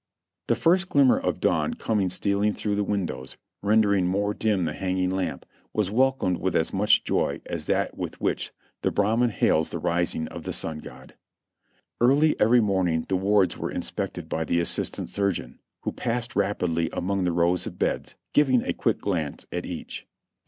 The first glimmer of dawn coming stealing through the windows, rendering more dim the hanging lamp, was welcomed with as much joy as that with which the Brahman hails the rising of the Sun God. Early every morning the wards were inspected by the assist ant surgeon, who passed rapidly along the rows of beds, giving a quick glance at each.